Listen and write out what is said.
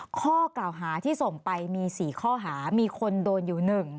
ข้อกล่าวหาที่ส่งไปมี๔ข้อหามีคนโดนอยู่๑